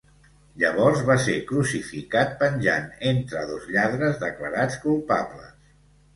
Llavors, va ser crucificat penjant entre dos lladres declarats culpables.